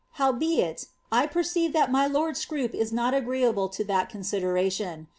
Howbeit, I perceive that B^ ktfd Scroop is not agreeable to that consideration.